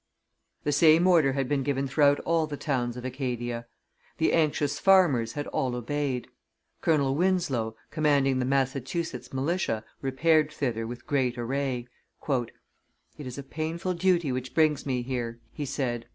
The same order had been given throughout all the towns of Acadia. The anxious farmers had all obeyed. Colonel Winslow, commanding the Massachusetts militia, repaired thither with great array. "It is a painful duty which brings me here," he said.